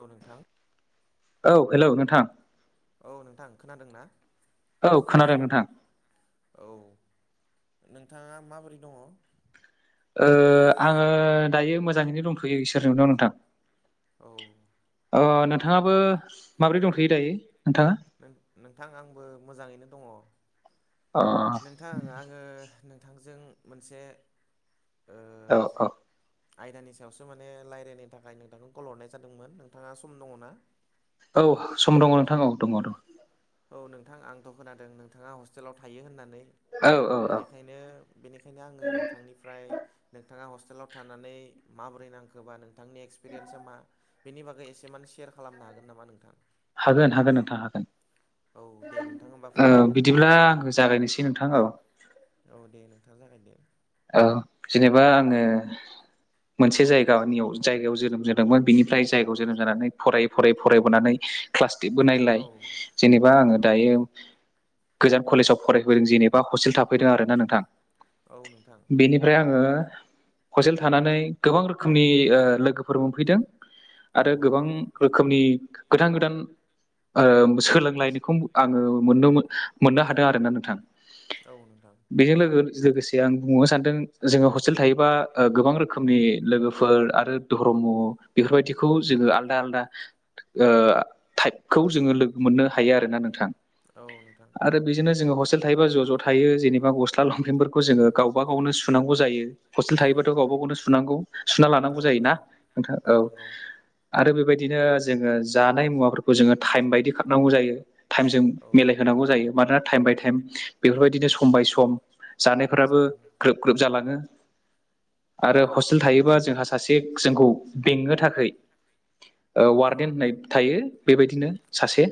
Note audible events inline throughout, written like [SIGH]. औ नोंथां। औ हेलौ नोंथां। औ नोंथां खोनादों ना? औ खोनादों नोंथां औ नोंथाङा माबोरै दङ? ओ आङो दायो मोजाङैनो दंथ'यो इसोरनि अनाव नोंथां। औ। अ नोंथाङाबो माबोरै दंथ'यो दायो नोंथाङा? नों-नोंथां आंबो मोजाङैनो दङ। अ नोंथां आङो नोंथांजों मोनसे ओ औ औ आयदानि सायावसो माने लायरायनो थाखाय नोंथांखौ कल हरनाय जादोंमोन नोंथाङा सम दङना? औ सम दङ नोंथां औ दङ दङ। औ नोंथां आंथ' खोनादों नोंथाङा हस्टेलाव थायो होननानै औ ओ औ बेनि खायनो बेनिखायनो आङो नोंथांनिफ्राय नोंथाङा हस्टेलाव थानानै माबोरै नांखोबा नों नोंथांनि एक्सपिरियेन्स मा बेनि बागै एसेमान सेयार खालामनो हागोन नामा नोंथां? हागोन हागोन नोंथां हागोन। औ दे नोंथां होमबा ओ फोरमायदो नोङो बिदिब्ला आङो जागायनोसै नोंथां औ। औ दे नोंथां जागायदो। औ जेनेबा आङो मोनसे जायगानियाव जायगायाव जोनोम जा दोंमोन बिनिफ्राय जायगायाव जोनोम जानानै फरायै फरायै फरायबोनानै क्लास औ देदबोनायलाय जेनेबा आङो औ दायो गोजान कलेजाव फरायफैदों जेनेबा हस्टेल थाफैदों आरो ना नोंथां। औ नोंथां। बेनिफ्राय आङो हस्टेल थानानै गोबां रोखोमनि ओ लोगोफोर मोनफैदों। औ आरो गोबां नोंथां रोखोमनि गोदान गोदान ओ सोलोंलायनायखौ आङो मोनदोंमोन मोननो हादों आरो ना नोंथां। औ नोंथां। बेजों लोगो-लोगोसे आं बुंबावनो सानदों जोङो हस्टेल थायोबा ओ गोबां रोख रोखोमनि लोगोफोर आरो धर्म बेफोरबायदिखौ जोङो आलदा आलदा ओ टाइपखौ जोङो लोगो मोननो हायो आरोना नोंथां। औ नोंथां। आरो बेजोंनो जोङो हस्टेल थायोबा ज' ज' थायो जेनेबा गस्ला लंफेेनफोरखौ जों औ गावबा गावनो सुनांगौ जायो हस्टेल थायोबाथ' गावबा गावनो सुनांगौ सुना औ लानांगौ जायो ना। नोंथां नोंथां औ आरो बेबायदिनो जोङो जानाय मुवाफोर खौ जोङो टाइम बायदि खारनांगौ जायो टाइम जों औ मिलायहोनांगौ जायो मानोना टाइम बाय टाइम बेफोरबायदिनो सम बाय सम जानायफोराबो ग्रोब ग्रोब जालाङो। आरो औ हस्टेल थायोबा जोंहा सासे जोंखौ बेंनो थाखै ओ वार्डेन होननाय थायो बेबायदिनो सासे।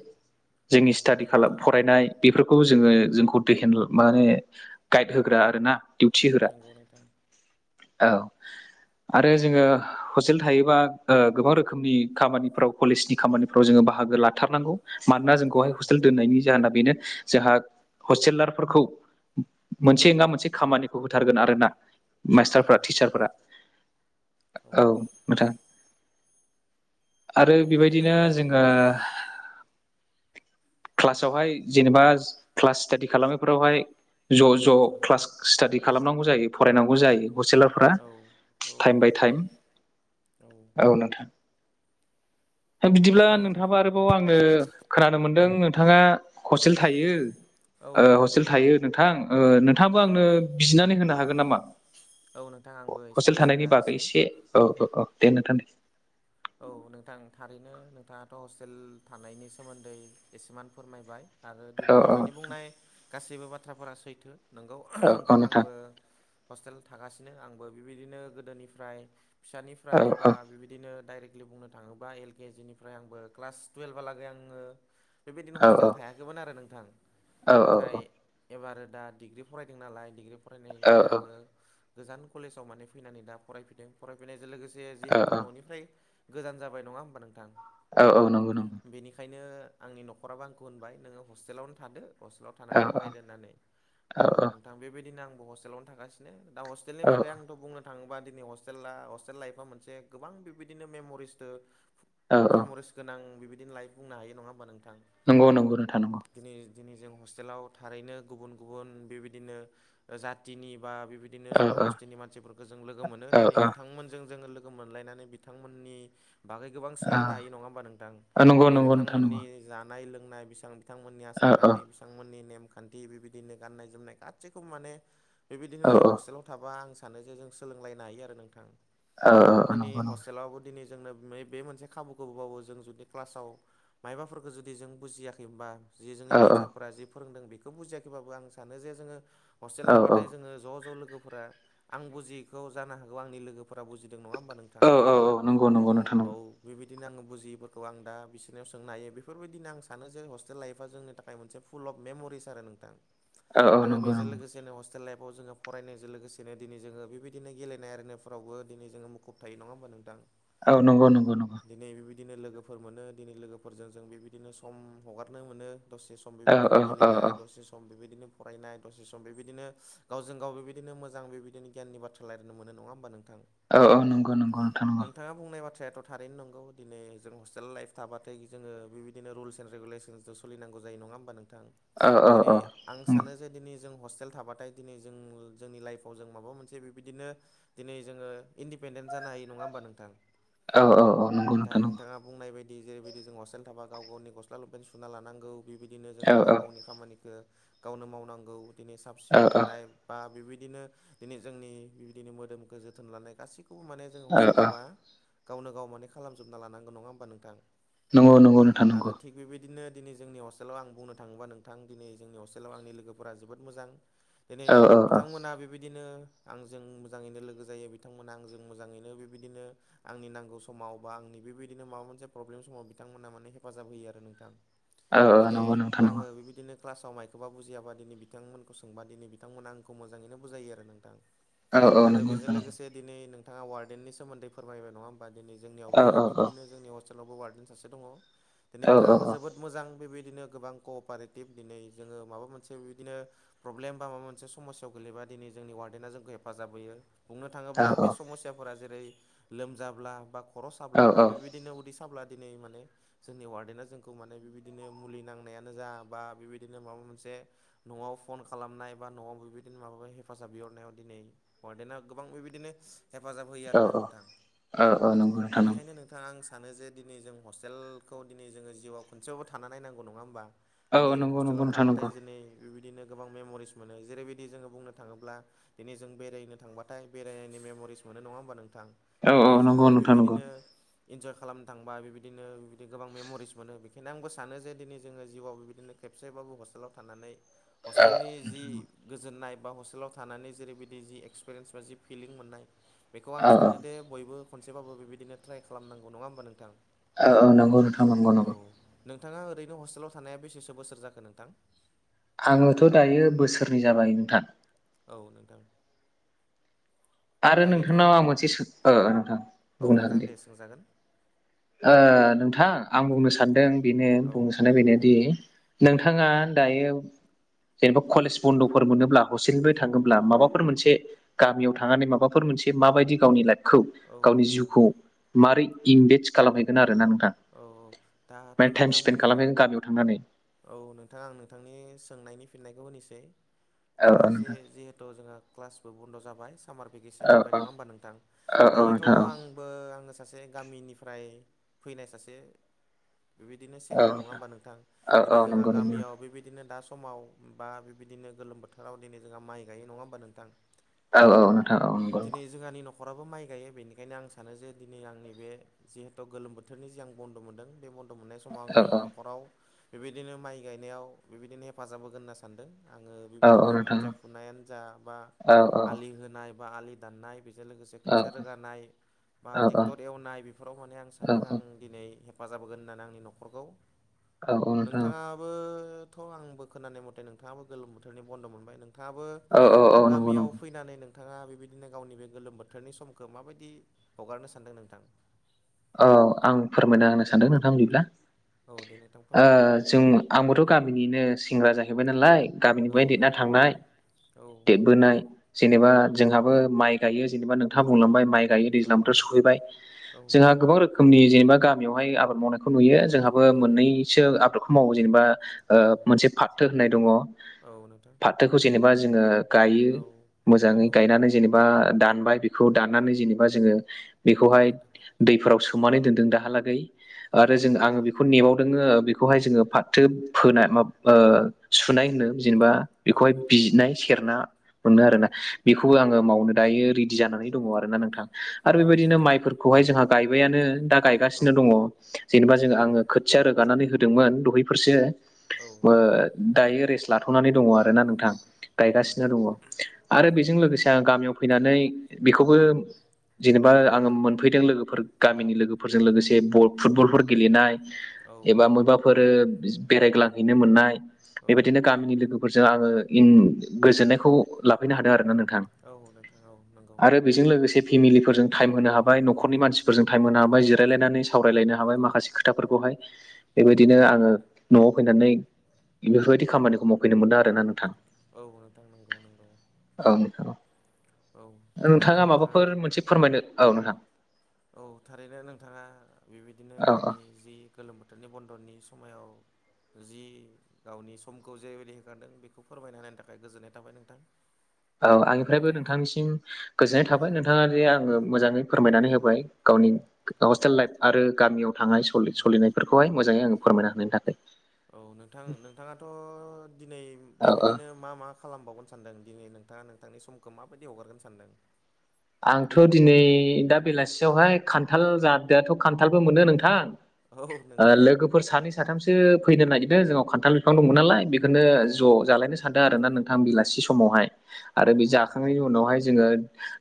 जोंनि स्टाडि नोंथां खालाम नंगौ फरायनाय बेफोरखौ जोङो जोंखौ दहेन माने गाइड होग्रा आरोना। दिउटि होग्रा नंगौ नोंथां औ आरो जोङो हस्टेल थायोबा ओ गोबां रोखोमनि खामानिफ्राव कलेजनि खामानिफ्राव जोङो बाहागो लाथारनांगौ। मानोना औ जोंखौहाय हस्टेल नोंथां दोननायनि जाहोना बेनो जोंहा हस्टेलारफोरखौ औ मोनसे नङा नोंथां मोनसे खामानिखौ होथारगोन आरोना। औ मास्टारफ्रा नोंथां टिचारफोरा औ नोंथां। आरो औ बेबायदिनो जोङो क्लासावहाय जेनेबा क्लास स्टाडि खालामनायफोरावहाय ज' ज' औ नोंथां क्लास स्टाादि खालामनांगौ जायो फरायनांगौ जायो हस्टेलाव पुरा औ औ टाइम बा नोंथां टाइम। औ नोंथां। बिदिब्ला औ नोंथाङाबा आरोबाव आंनो खोनानो मोनदों नोंथाङा हस्टेल थायो। औ ओ नोंथां हस्टेल नंगौ थायो नोंथां ओ नोंथांङाबो आंनो बिजनानै होनो हागोन नामा? औ नोंथां आंबो एसे हस्टेल बिजिरना थानायनि बागै होनोसै एसे औ औ औ दे नोंथां दे औ नोंथां थारैनो नोंथाङाथ' हस्टेल थानायनि सोमोन्दै एसेमान फोरमायबाय। आरो औ दिनै नोंथांनि बुंनाय गासैबो बाथ्राफोरा सैथो। नोंगौ औ नोंथां औ आंबो हस्टेल थागासिनो आंबो बेबायदिनो गोदोनिफ्राय औ फिसानिफ्राय बा औ बिबायदिनो बुनो थाङोबा एल केजिनिफ्राय आबो क्लास तुयेफआ लागे आङो बेबायदिनो औ हस्टेल थाया मोन आरो नोंथां। नाथाय एबारो दा डिग्रि फरायदों नालाय डिग्रि फरायनायनि औ थाखाय आङो गोजान कलेजाव माने फैनानै दा फरायफैदों। फरायफैनायजों लोगोसे जिहेथु न'निफ्राय गोजान जाबाय नङा होमबा नोंथां? औऔ नंगौ नंगौ बेनिखायनो आंनि न'खराबो आंखौ होनबाय नोङो हस्टेलावनो थादो। हस्टेलाव औ थानानै फराय औ दोननानै औ नोंथां बेबायदिनो आंबो हस्टेलावनो थांगासिनो दा हेल स्टेलनि औ बागै आंथ' बुंनो थाङोबा दिनै हस्टेला हस्टेल लाइफ आ मोनसे गोबां बिबायदिनो मेम' रिस्त औ औ मेम'रिस गोनां बेबायदिनो लाइफ बुंनो हायो नङा होमबा नोंथां? नंगौ नंगौ नोंथां नांगौ। दिनै दिनै जों हस्टेलाव थारैनो गुबुन गुबुन बेबायदिनो जाथिनि बा बेबायदि बिदिनो ओ ओ जन'गस्थिनि मानसिफोरखौ जों लोगो मोनो ओ दिनै ओ बिथांमोनजों जोङो लोगो मोनलायनानै बिथांमोननि बागै गोबां सोलोंनो हायो ओ नङा होमबा नोंथां नंगौ दिनै नंगौ नोंथां नंगौ बिथांमोननि जानाय लोंनाय बेबां बिथांमोननि ओ आसार ओ खान्थि बिथांमोननि नेमखान्थि बेबायदिनो गाननाय जोमनाय गासैखौबो माने औ बेबायदिनो जों हस्टेलाव थाबा आं सानो जे जों सोलोंलायनो हायो आरो नोंथां। औ आरो औ दिनै नंगौ नंगौ हस्टेलावबो दिनै जोंनो बे मोनसे खाबुखौबाबो जों जुदि क्लासाव मायबाफोरखौ जुदि जों बुजियाखै होनबा जि जोंनि औ औ टिचारफोरा जि फोरोंदों बेखौ बुजियाखैबाबो आं सानो जे जोङो हस्टेल औ थाबाथाय जोङो ज' ज' लोगोफोरा आं बुजियैखौ जानो हागौ आंनि लोगो फोर बजि नङा होमबा नोंथां औ औ नंगौ नंगौ नोंथां औ नंगौ बेबायदिनो आङो बुजिफोरखौ आं दा बिसोरनियाव सोंनो हायो बेफोरबायदिनो आं सानो जे हस्टेल लाइफआ जोंनि थाखाय मोनसे फुल अफ मेमरि आरो नोंथा। औ औ आरो नंगौ बेजों नंगौ लोगोसेनो हस टेल लाइफआव जोङो फरायनायजों लोगोसेनो दिनै जोङो बेबायदिनो गेलेनाय आरिनायफोरावबो दिनै जोङो मुुब थायो नङा होमबा नोंथां? औ नंगौ नंगौ नंगौ दिनै बेबायदिनो लोगोफोर मोनो दिनै लोगोफोरजों जों बेबायदिनो सम हगारनो मोनो दसे सम औ औ बेबायदिनो औ गेलेनाय दसे सम बेबायदिनो फरायनाय दसे सम बेबायदिनो गावजों गाव बेबायदिनो मोजां बेबायदिनो गियाननि बाथ्रा सोलायनो मोन नङा होमबा नोंथां? औ औ नंगौ नंगौ नोंथां नगौ। नोंथाङा बुंनाय बाथ्राथ' थारैनो नंगौ दिनै जोंनि हस्टेल लाइफ थाबाथाय जोङो बेबायदिनो रुल्स एन्द रेगुलेसोन सोलिनांगौ जायो नङा होमबा नोंथां? औ औ दिनै औ आं नंगौ सानो जे दिनै जों हस्टेल थाबाथाय दिनै जों जोंनि लाइफआव जों माबा मोनसे बेबायदिनो दिनै जोङो इन्दिपेन्डेन्ट जानो हायो नङा होमबा नोंथां? औ औ औ। नंगौ दा नोंथां नंगौ नोंथाङा बुंनाय बायदि जेरैबायदि जों हस्टेल थाबा गाव गावनि गस्ला लबेन सुना लानांगौ बिबायदिनो औ जोङो गाव गावनि खामानिखौ गावनो मावनांगौ दिनै साब औ सिखन औ थानाय बा बेबायदिनो दिनै जोंनि बेबायदिनो मोदोमखौ जोथोन लानाय गासैखौबो माने जो हस्टेल औ थाबा गावनो गाव माने खालामजोबना लानांगौ नङा होमबा नोंथां? नंगौ नंगौ नोंथां आरो नंगौ। थिग बेबायदिनो दिनै जोंनि हस्टेलाव आं बुंनो थाङोबा नोंथां दिनै जोंनि हस्टेलाव आंनि लोगोफोरा जोबोद मोजां दिनै औ औ औ बिथांमोना बेबायदिनो आंजों मोजाङैनो लोगो जायो बिथांमोनहा आंजों मोजाङैनो बेबायदिनो आंनि नांगौ समाव बा आंनि बेबायदिनो माबा मोनसे प्रब्लेम समाव बिथांमोना माने हेफाजाब होयो आरो नोंथां। औ औ दिनै नंगौ नोंथां आङो नंगौ बेबायदिनो क्लासाव माइखौबा बुजियाबा दिनै बिथांमोनखौ सोंबा दिनै बिथांमोना आंखौ मोजाङैनो बुजायो आरो नोंथां। औ औ आरो नंगौ बेजों नोंथां नंगौ लोगोसे दिनै नोंथाङा वार्डेननि सोमोन्दै फोरमायबाय नङा होमबा दिनै जोंनियावबो औ औ औ बिबायदिनो जोंनि हस्टेलावबो वार्डेन सासे दङ दिनै औ औ बिथाङाबो जोबोद मोजां बेबायदिनो गोबां कपारेटिभ दिनै जोङो माबा मोनसे बिदिनो प्रब्लेम बा माबा मोनसे समस्यायाव गो गैबा दिनै जोंनि वार्डेना जोंखौ हेफाजाब होयो। बुंनो थाङोब्ला बे समस्याफोरा जेरै लोमजाब्ला बा खर' साब्ला बा बेबायदि बिदिननो उदै साब्ला दिनै माने जोंनि वार्डेना जोंखौ माने बेबायदिनो मुलि नांनायानो जा बा बेबायदिनो माबा मोनसे न'आव फन खालामनाय बा न'आव बेबायदिनो माबा हेफाजाब बिहरनायाव दिनै हरडेन्टआव गोबां बेबायदिनो हेफाजाब होयो औ आरोना नोंथां। औ नंगौ नोंथां नंगौ बेनिखायनो नोंथाङा आं स सानो जे दिनै जों हस्टेलखौ दिनै जोङो जिउआव खनसेयावबो थानानै नायनांगौ नङा होमबा। औ दिनै नंगौ नंगौ हस्टेलाव नोंथां थाबाथाय नंगौ दिनै बेबायदिनो गोबां मेम'रिस मोनो जेरैबायदि जोङो बुंनो थाङोब्ला दिनै जों बेरायनो थांबाथाय बेरायनायनि मेमरिस मोनो नङा होमबा नोंथां। औ औ दिनै जोङो नंगौ नोंथां नंगौ बेबायदिनो इन्जय खालामनो थांबा बेबायदिनो बिदिनो गोबां मेम'रिस मोनो बेनिखायनो आंबो सानो जे दिनै जोङो जिउआव बिबायदिनो खेबसेबाबो हस्टेलाव थानानै औ हस्टेलनि जि गोजोन्नाय बा हस्टेलाव थानानै जेरैबायदि जि एक्सपिरियेन्स बा जि फिलिं मोननाय बेखौ आं औ सानो दे बयबो खनसेबाबो बेबायदिनो ट्राइ खालामनांगौ नङा होमबा नोंथां। औ औ नंगौ नोंथां नंगौ औ नंगौ। नोंथाङा ओरैनो हस्टेलाव थानाया बेसेसो बोसोर जाखो नोंथां? आङोथ' दायो बोसोरनै जाबाय नोंथां। औ नोंथां। आरो दायोथ' नोंथांनाव आं मोनसे नोंथां औ बुंनो हागोन नोंथां दे। सोंजागोन। नोंथां आं बुंनो सानदों बेनो औ बुंनो साननाय बेनोदि नोंथाङा दायो जेनेबा कलेज बन्द'फोर मोनोब्ला हसेनोबो थाङोब्ला माबाफोर मोनसे गामियाव थांनानै माबाफोर मोनसे माबायदि गावनि लाइफ खौ औ गावनि नोंथां जिउखौ मारोरै इनभेस्ट खालामहैगोन आरोना नोंथां। औ दाथ' माने टाइम नोंथां स्पेन्ड बुं खालामहैगोन गामियाव थांनानै औ नोंथां आं नोंथांनि सोंनायनि फिननायखौ होनोसै। औ दा औ नोंथां जे जिहेथु जोंहा क्लासबो बन्द' जाबाय सामार औ भेकेसन औ मोनबाय नङा होमबा नोंथां। औ औ दायोथ' नोंथां आं बो आङो सासे गामिनिफ्राय फैनाय सासे बेबायदिनो औ सेंग्रा नङा होमबा नोंथां औ औ दिनै जोंहा नंगौ नंगौ गामियाव बेबायदिनो दा समाव बा बेबायदिनो गोलोम बोथोराव दिनै जोंहा माइ गायो नङा होमबा नोंथां। औ औ नोंथां औ नंगौ। दिनै जोंहानि न'खराबो माइ गायो बेनिखायनो आं सानो जे दिनै आंनि बे जिहेतु गोलोम बोथोरनि जि आं बन्द' मोनदों बे बन्द' मोननाय समाव औ आङो आंनि औ न'खराव बेबायदिनो माइ गायनायाव बेबायदिनो हेफाजाब होगोन होनना सानदों। आङो औ औ बेबायदिनो नोंथां खोथिया फुनायानो जा बा औ औ आलि होनाय बा आलि दाननाय बेजों लोगोसे औ खोथिया रोगानाय बा औ औ नोंथां ट्रेक्टर एवनाय बेफोराव माने आं औ सानदों आं। दिनै हेफाजाब होगोन होननानै आंनि न'खरखौ औ नोंथाङाबोथ' आंबो खोनानाय मथे नोंथाङाबो गोलोम बोथोरनि बन्द' मोनबाय नोंथाङाबो दा नंगौ गामियाव नंगौ फैनानै नों नोंथाङा बेबायदिनो गावनि बे गोलोम बोथोरनि समखौ माबायदि हगारनो सानदों नोंथां? औ आं फोरमायना होनो सानदों नोंथां बिदिब्ला औ दे नोंथां ओ फोरमायदो जों आंबोथ' गामिनिनो सेंग्रा जाहैबाय नालाय गामिनिफ्राय औ देरना नोंथां थांनाय औ देरबोनाय जेनेबा जोंहाबो माइ गायो जेनेबा नोंथाङा बुंलांबाय माइ गायो औ दैज्लां बोथोर सफैबाय, औ जोंहा नोंथां गोबां रोखोमनि जेनेबा गामियावहाय आबाद मावनायखौ नुयो जोंहाबो औ मोननैसो आबाद समाव जेनेबा औ मोनसे फाथो होननाय दङ औ नोंथां फाथोखौ जेनेबा जोङो गायो औ मोजाङै औ गायनानै जेनेबा दानबाय बेखौ दाननानै जेनेबा जोङो औ बेखौहाय नोंथां दैफोराव सोमनानै दोनदों दाहालागै औ आरो जों नोंथां आङो बेखौ बेखौ नेबावदोङो बेखौहाय जोङो फाथो फोनाय माबा ओ सुनाय होनो जेनेबा औ नोंथां औ बेखौहाय नोंथां बिनाय सेरना मोनो औ आरोना बेखौबो आङो मावनो दायो रेडि जानानै दङ आरोना नोंथां आरो औ बेबायदिनो नोंथां माइफोरखौहाय जोंहा, गायबायानो दा औ गायगासिनो दङ जेनेबा जों आङो खोथिया रोगानानै होदोंमोन दहैफोरसो नोंथां औ नोंथां दायो रेस्ट लाथ'नानै दङ आरो ना नोंथां औ गायगासिनो दङ आरो बेजों लोगोसे आं गामियाव फैनानै बेखौबो, जेनेबा आङो मोनफैदों लोगोफोर गामिनि लोगोफोरजों लोगोसे फुटबलफोर गेलेनाय, एबा बबेबाफोर बेरायग्लांहैनो मोननाय औ बेबायदिनो गामिनि लोगो फोरजों आङो गोजोननायखौ लाफैनो हादों आरोना नोंथां, औ नोंथां औ नंगौ आरो बेजों लोगोसे फेमिलिफोरजों टाइम होनो हाबाय न'खरनि मानसि फोरजो औ थाहेम होनो हाबाय नोंथां जिराय लायनानै सावराय लायनो हाबाय नंगौ खोफोरखौहाय नंगौ बेबायदिनो आङो, न'आव फैनानै बेफोरबायदि खामानिखौ मावफैनो मोनदों आरोना नोंथां, औ नोंथां नंगौ नंगौ, औ नोंथां औ थारैनो नोंथाङा, फोरमायनो औ नोंथां औ थारैनो नोंथाङा बेबायदिनो औ औ गावनि, जि गोलोम बोथोरनि बन्द'नि समायाव जि गावनि समखौ जेरैबायदि होखारदों बेखौ फोरमायना होनायनि थाखाय गोजोननाय थाबाय नोंथां औ आंनिफ्रायबो नोंथांनिसिम गोजोननाय औ थाबाय नोंथाङा जे आङो मोजाङै फोरमायनानै होबाय गावनि औ हस्टेल लाइफ आरो गामियाव थां औ सलिनायफोरखौहाय मोजाङै आङो फोरमायना होनानायनि थाखाय, औ नोंथां नोंथाङाथ' दिनै औ औ बेबायदिनो, मा मा खालामबावगोन सानदों दिनै नोंथाङा नोंथांनि समखौ माबायदि हगारगोन सानदों, आंथ' दिनै दा बेलासियावहाय खान्थाल जादो दाथ' खान्थालबो मोनो नोंथां औ ओ नोंथां लोगोफोर सानै साथामसो फैनो नागिरदों जोंनाव खान्थाल बिफां दंमोन नालाय बे बेखौनो औ ज' नोंथां जालायनो सानदों आरो ना नोंथां बेलासि समावहाय औ आरो बे औ जाखांनायनि उनावहाय जोङो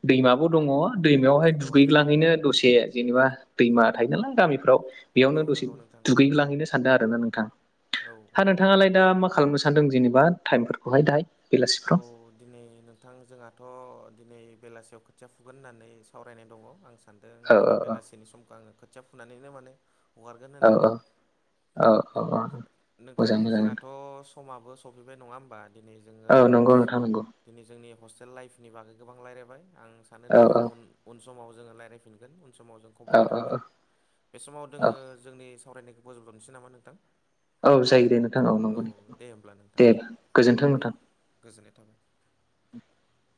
दैमाबो दङ दैमायावहाय औ नोंथां दुगैग्लांहैनो दसे जेनेबा दैमा थायो नालाय गामिफ्राव औ बेयावनो दसे नंगौ नोंथां दुगैलांहैनो सानदों आरो ना नोंथाङा औ औ हा औ नोंथाङालाय दा मा खालामगासिनो? सान्दों जेनेबा टाइमफोरखौहाय दाय, औ दिनै बिथां जोंहाथ' दिनै बेलासियाव खोथिया फुगोन होननानै सावरायनाय दङ आं सानदों औ दिनै बेलासिनि समखौ आङो खोथिया फुनानैनो माने हगारगोन औ होननानै, औ औ औ नोंथां मोजां मोजां जोंहाथ' समाबो सफैबाय नङा होमबा दिनै औ जोङो, नंगौ नोंथां नंगौ दिनै जोंनि हस्टेल लाइफनि बागै गोबां रायज्लायबाय आं औ सानोदि जों उन उन समाव जोङो रायलायफिनगोन उन समाव जों औ खबर औ लाफिनगोन बे समाव औ जोङो, जोंनि सावरायनायखौ बोजब'नोसै नामा नोंथां? औ जायोदे नोंथां औ नंगौनि दे होमब्ला नोंथां दे गोजोन्थों दे नोंथां गोजोननाय थाबाय। [INAUDIBLE]